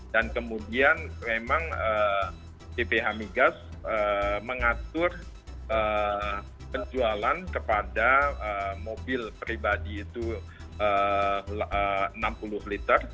dan kemudian memang bph migas mengatur penjualan kepada mobil pribadi itu enam puluh liter